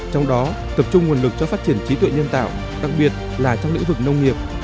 trong đó tập trung nguồn lực cho phát triển trí tuệ nhân tạo đặc biệt là trong lĩnh vực nông nghiệp